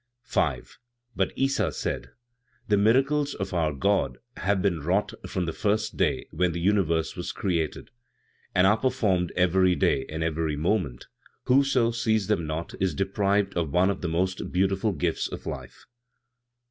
5. But Issa said: "The miracles of our God have been wrought from the first day when the universe was created; and are performed every day and every moment; whoso sees them not is deprived of one of the most beautiful gifts of life.